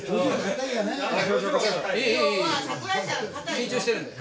緊張してるんだよ。